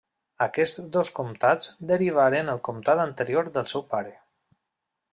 Aquests dos comtats derivaven del comtat anterior del seu pare.